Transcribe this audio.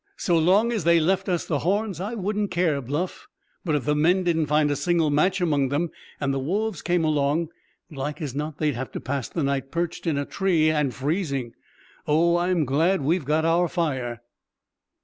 "So long as they left us the horns I wouldn't care, Bluff. But if the men didn't find a single match among them, and the wolves came along, like as not they'd have to pass the night perched in a tree, and freezing. Oh, I'm glad we've got our fire!"